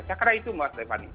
cakra itu mbak stephanie